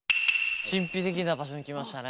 神秘的な場所に来ましたね。